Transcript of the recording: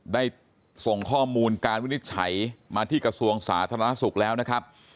ได้ส่งข้อมูลการวินิจฉัยมาที่กระทรวงสาธารณสุขแล้วนะครับ